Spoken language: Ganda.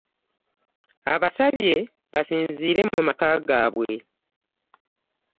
Abasabye basinziire mu maka gaabwe